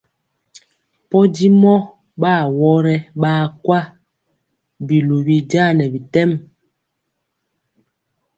Podimɔ ɓa awɔrɛ ɓaa kwa, biluwi jaa nɛ bitɛm.